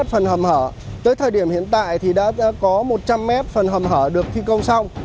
phần hầm hở tới thời điểm hiện tại thì đã có một trăm linh mét phần hầm hở được thi công xong